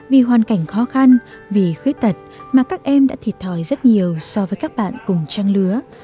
vì hoàn cảnh khó khăn vì khuyết tật mà các em đã thiệt thòi rất nhiều so với các bạn cùng trang lứa